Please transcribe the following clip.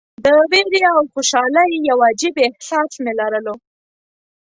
د ویرې او خوشالۍ یو عجیب احساس مې لرلو.